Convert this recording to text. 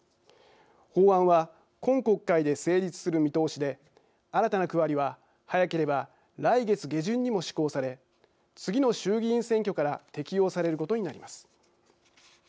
法案は今国会で成立する見通しで新たな区割りは早ければ来月下旬にも施行され次の衆議院選挙から適用されることになります。